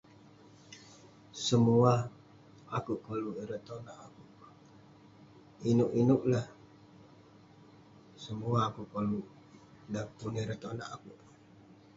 Semua akuek koluk tong ineuk-inuek nah semua akuek koluk dak pun ireh tonak